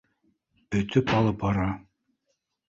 Өтөп алып бара!